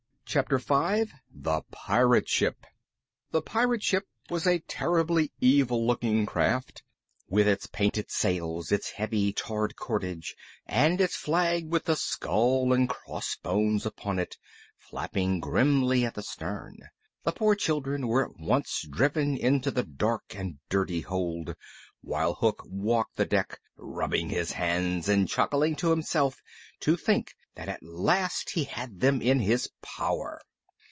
] PART V THE PIRATE SHIP The pirate ship was a terribly evil looking craft with its painted sails, its heavy tarred cordage, and its flag with the skull and crossbones upon it, flapping grimly at the stern. The poor children were at once driven into the dark and dirty hold, while Hook walked the deck, rubbing his hands and chuckling to himself to think that at last he had them in his power.